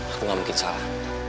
aku gak mungkin salah